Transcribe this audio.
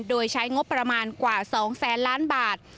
โดยใช้งบประมาณกว่า๒แสนล้านบาท